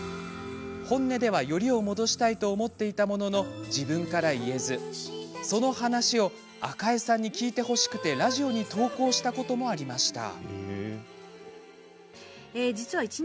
本音では、よりを戻したいと思っていたものの自分から言えずその話を赤江さんに聞いてほしくてラジオに投稿したこともありました。